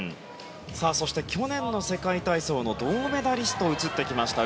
そして、去年の世界体操の銅メダリストが映ってきました。